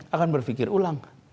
akan berpikir ulang